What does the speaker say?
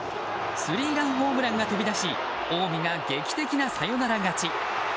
スリーランホームランが飛び出し近江が劇的なサヨナラ勝ち。